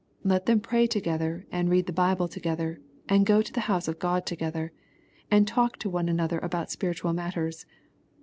Let them pray together, and read the Bible together, and go to the houso of God together, and talk to one another about spiritual matters.